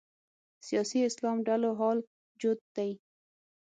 سیاسي اسلام ډلو حال جوت دی